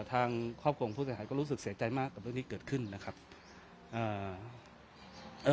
ทางครอบครัวของผู้เสียหายก็รู้สึกเสียใจมากกับเรื่องที่เกิดขึ้นนะครับอ่าเอ่อ